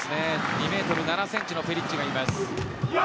２ｍ７ｃｍのペリッチがいます。